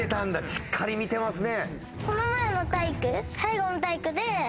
しっかり見てますね。